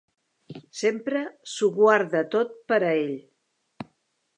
Sempre s'ho guarda tot per a ell.